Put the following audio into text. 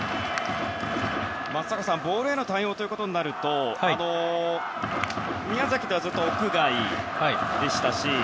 松坂さん、ボールへの対応ということになると宮崎ではずっと屋外でしたし。